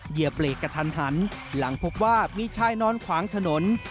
เหยียบเบรกกระทันหันหลังพบว่ามีชายนอนขวางถนน